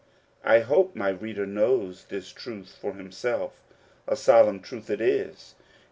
I hope my reader knows this truth for himself : a solemn truth it is.